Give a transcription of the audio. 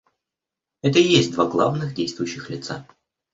Это и есть два главных действующих лица.